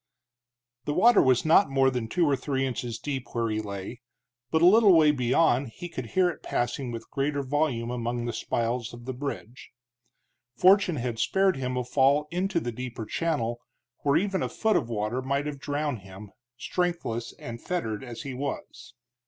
The water was not more than two or three inches deep where he lay, but a little way beyond he could hear it passing with greater volume among the spiles of the bridge. Fortune had spared him a fall into the deeper channel, where even a foot of water might have drowned him, strengthless and fettered as he was.